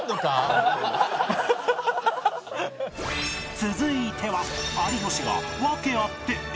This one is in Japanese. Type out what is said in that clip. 続いては